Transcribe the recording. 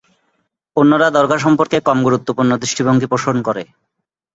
অন্যরা দরগাহ সম্পর্কে কম গুরুত্বপূর্ণ দৃষ্টিভঙ্গি পোষণ করে।